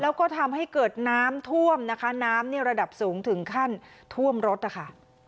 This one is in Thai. แล้วก็ทำให้เกิดน้ำท่วมนะคะน้ำเนี่ยระดับสูงถึงขั้นท่วมรถนะคะ